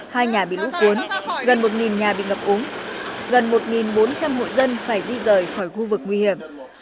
hai nhà bị lũ cuốn gần một nhà bị ngập úng gần một bốn trăm linh hộ dân phải di rời khỏi khu vực nguy hiểm